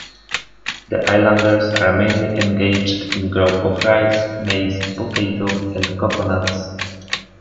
The islanders are mainly engaged in growth of rice, maize, potato and coconuts.